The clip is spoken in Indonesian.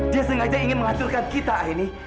dia sengaja ingin menghancurkan kita aini